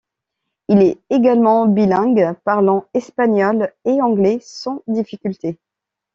Il est également bilingue, parlant espagnol et anglais sans difficultés.